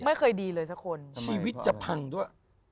ไม่เคยดีเลยสักคนชีวิตจะพังด้วย